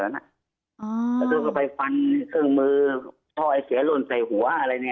เราต้องเข้าไปฟันเครื่องมือทอไอ้เสียล้นในหัว